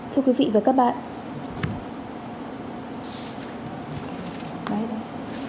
thưa quý vị và các bạn